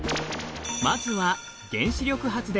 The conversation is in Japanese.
まずは原子力発電。